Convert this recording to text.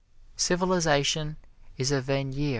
Civilization is a veneer.